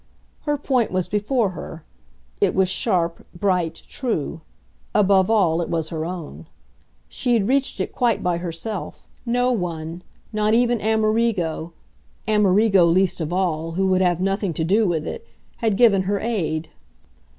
Her point was before her; it was sharp, bright, true; above all it was her own. She had reached it quite by herself; no one, not even Amerigo Amerigo least of all, who would have nothing to do with it had given her aid.